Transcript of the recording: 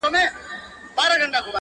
تاته به پټ وژاړم تاته په خندا به سم-